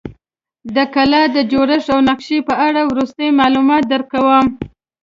د کلا د جوړښت او نقشې په اړه به وروسته معلومات درکړم.